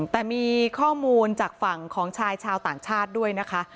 แต่มีข้อมูลจากฝั่งของชายชาวต่างชาติด้วยนะคะ